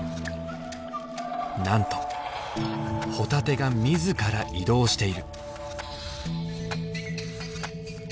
なんとホタテが自ら移動している。